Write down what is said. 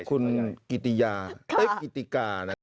คุณกิติยาเอ๊ะกิติกานะครับ